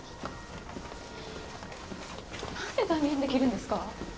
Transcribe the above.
なんで断言できるんですか？